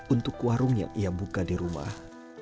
untuk warung yang ia buka di rumah